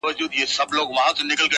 د ورځي سور وي رسوایي وي پکښې,